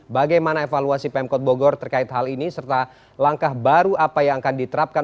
bagaimana evaluasi pemkot bogor terkait hal ini serta langkah baru apa yang akan diterapkan